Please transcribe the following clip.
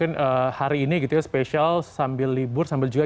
tanda kebesaran buka